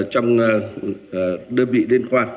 trong đơn vị liên quan